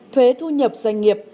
thuế thu nhập doanh nghiệp